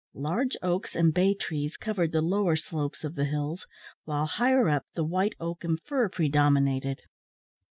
Large oaks and bay trees covered the lower slopes of the hills, while higher up the white oak and fir predominated.